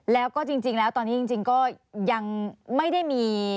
แล้วก็จริงแล้วตอนนี้จริงก็ยังไม่ได้มี